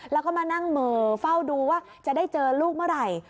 แล้วก็มานั่งเหม่อเฝ้าดูว่าจะได้เจอลูกเมื่อไหร่